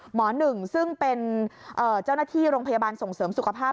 หนึ่งซึ่งเป็นเจ้าหน้าที่โรงพยาบาลส่งเสริมสุขภาพ